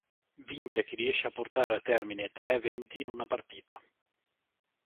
Vince chi riesce a portare a termine tre eventi in una partita.